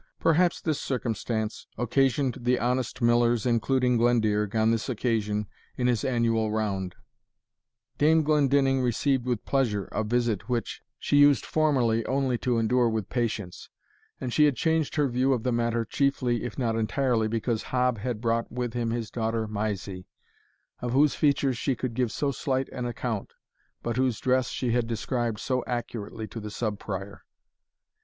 Perhaps this circumstance occasioned the honest Miller's including Glendearg, on this occasion, in his annual round Dame Glendinning received with pleasure a visit which she used formerly only to endure with patience; and she had changed her view of the matter chiefly, if not entirely, because Hob had brought with him his daughter Mysie, of whose features she could give so slight an account, but whose dress she had described so accurately to the Sub Prior.